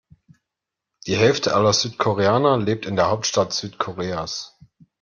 Die Hälfte aller Südkoreaner lebt in der Hauptstadt Südkoreas.